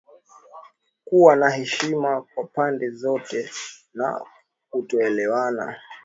kuwa na heshima kwa pande zote na kutokuelewana